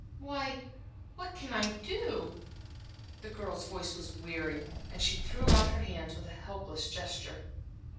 "Why, what can I do?" The girl's voice was weary, and she threw out her hands with a helpless gesture.